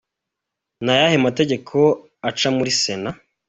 Ni ayahe mategeko aca muri Sena?.